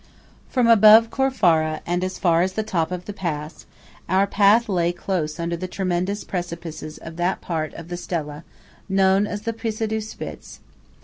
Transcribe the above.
From above Corfara, and as far as the top of the pass, our path lay close under the tremendous precipices of that part of the Sella known as the Pissadu Spitz.